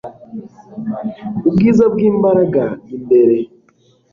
ubwiza bwimbaraga imbere